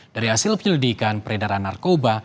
dari hasil penyelidikan peredaran narkoba